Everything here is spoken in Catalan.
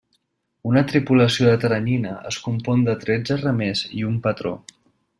Una tripulació de teranyina es compon de tretze remers i un patró.